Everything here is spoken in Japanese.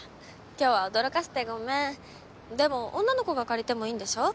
今日は驚かせてごめんでも女の子が借りてもいいんでしょ？